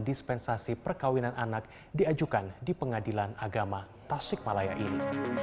dispensasi perkawinan anak diajukan di pengadilan agama tasik malaya ini